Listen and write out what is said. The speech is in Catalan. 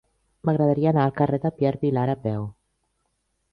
M'agradaria anar al carrer de Pierre Vilar a peu.